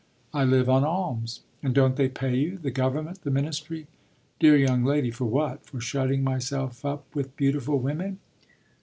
"I live on alms." "And don't they pay you the government, the ministry?" "Dear young lady, for what? for shutting myself up with beautiful women?"